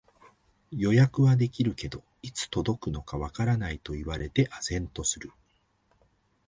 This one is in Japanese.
予約はできるけど、いつ届くのかわからないと言われて呆然とする